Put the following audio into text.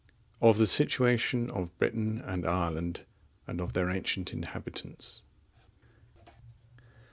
Of the Situation of Britain and Ireland, and of their ancient inhabitants.